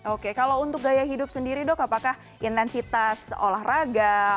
oke kalau untuk gaya hidup sendiri dok apakah intensitas olahraga